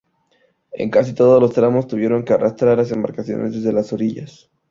En casi todos los tramos tuvieron que arrastrar las embarcaciones desde las orillas.